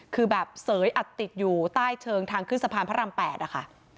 คือแบบเสยอัดติดอยู่ใต้เชิงทางขึ้นสะพานพระราม๘นะคะ